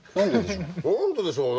何ででしょう？